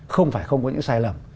không phải không có những sai lầm